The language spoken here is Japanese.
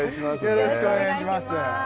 よろしくお願いします